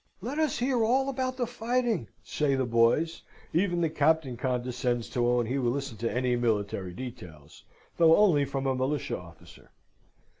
"Let us hear all about the fighting," say the boys. Even the Captain condescends to own he will listen to any military details, though only from a militia officer.